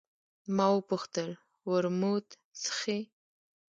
ما وپوښتل: ورموت څښې؟